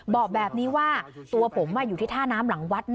บอกแบบนี้ว่าตัวผมอยู่ที่ท่าน้ำหลังวัด